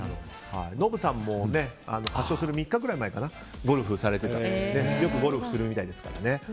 ノブさんも発症する３日くらい前にゴルフをされててよくゴルフするみたいですから。